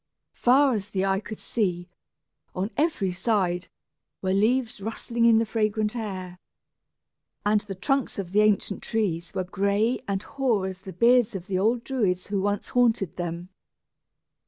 Far as the eye could reach, on every side, were leaves rustling in the fragrant air; and the trunks of the ancient trees were gray and hoar as the beards of the old Druids who once haunted them.